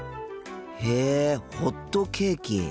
へえホットケーキ。